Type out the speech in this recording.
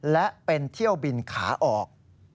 และเป็นเที่ยวบินขาออก